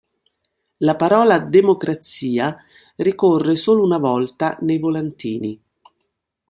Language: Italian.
La parola democrazia ricorre solo una volta nei volantini.